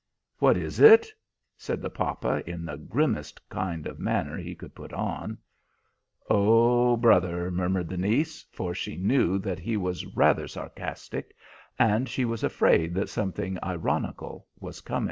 "What is it?" said the papa, in the grimmest kind of manner he could put on. "Ah, brother!" murmured the niece; for she knew that he was rather sarcastic, and she was afraid that something ironical was coming.